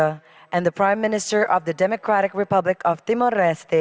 dan pemerintah pemerintah timor leste